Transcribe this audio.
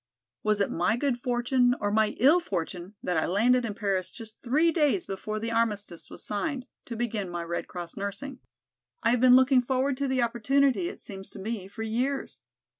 Was it my good fortune or my ill fortune that I landed in Paris just three days before the armistice was signed to begin my Red Cross nursing? I have been looking forward to the opportunity it seems to me for years.